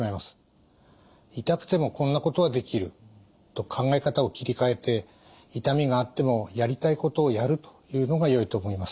「痛くてもこんなことはできる」と考え方を切り替えて痛みがあってもやりたいことをやるというのがよいと思います。